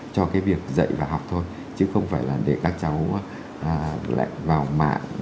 cho cái việc dạy và học thôi chứ không phải là để các cháu lại vào mạng